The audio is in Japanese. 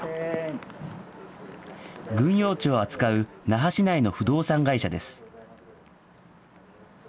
軍用地を扱う那覇市内の不動産会社です。